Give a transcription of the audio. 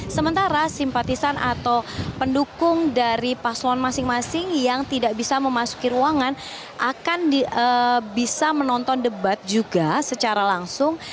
sementara simpatisan atau pendukung dari paslon masing masing yang tidak bisa memasuki ruangan akan bisa menonton debat juga secara langsung